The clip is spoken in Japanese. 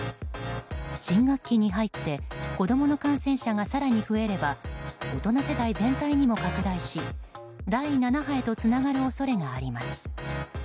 新学期に入って子供の感染者が更に増えれば大人世代全体にも拡大し第７波へとつながる恐れがあります。